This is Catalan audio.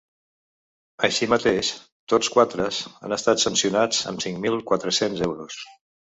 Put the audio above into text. Així mateix, tots quatres han estat sancionats amb cinc mil quatre-cents euros.